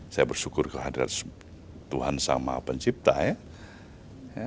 saya bersyukur kehadiran tuhan sama pencipta ya